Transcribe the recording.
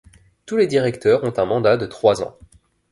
Tous les directeurs ont un mandat de trois ans.